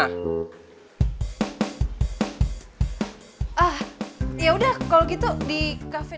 ah yaudah kalo gitu di cafe